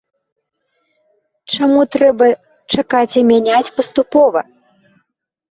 Чаму трэба чакаць і мяняць паступова?